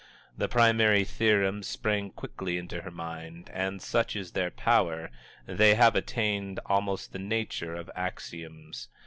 The primary theorems sprang quickly into her mind, and, such is their power, they have attained almost the nature of axioms.